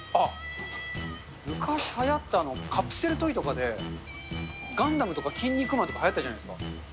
昔はやったカプセルトイとかで、ガンダムとか、キン肉マンとかはやったじゃないですか。